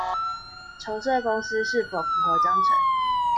籌設公司是否符合章程